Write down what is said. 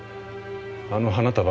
あの花束